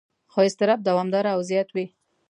خو اضطراب دوامداره او زیات وي.